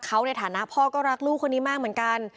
เขาในฐานะพ่อก็รักลูกคนนี้มากเหมือนกัน